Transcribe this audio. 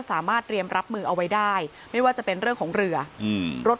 สามารถเตรียมรับมือเอาไว้ได้ไม่ว่าจะเป็นเรื่องของเรืออืมรถ